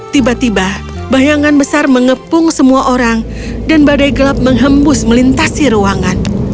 tiba tiba bayangan besar mengepung semua orang dan badai gelap menghembus melintasi ruangan